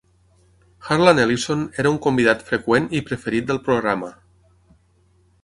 Harlan Ellison era un convidat freqüent i preferit del programa.